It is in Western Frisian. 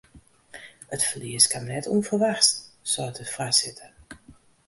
It ferlies kaam net ûnferwachts, seit de foarsitter.